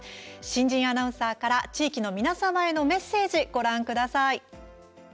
新人アナウンサーから地域の皆様へのメッセージ、ご覧ください。